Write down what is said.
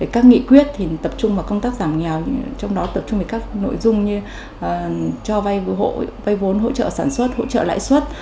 các nghị quyết tập trung vào công tác giảm nghèo trong đó tập trung về các nội dung như cho vay vốn hỗ trợ sản xuất hỗ trợ lãi suất